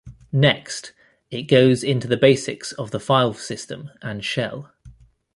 Next, it goes into the basics of the file system and shell.